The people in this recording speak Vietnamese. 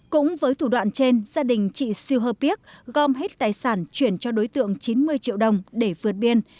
cũng với thủ đoạn trên gia đình chị siêu hơ piếc gom hết tài sản chuyển cho đối tượng chín mươi triệu đồng để vượt biên